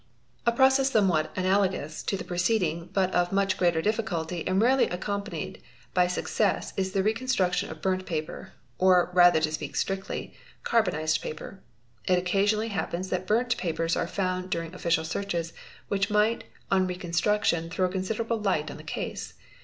A process somewhat analogous to the preceding but of much greater difficulty and rarely accompanied by success is the reconstruction of burnt paper, or rather to speak strictly '"'carbonised" paper. It occasionally happens that burnt papers are found during official searches which might, on reconstitution, throw considerable light on the case.